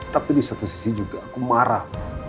tapi di satu sisi juga aku marah